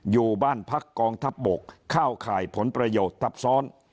อยู่บ้านพักกองทัพบกเข้าข่ายผลประโยชน์ทับซ้อน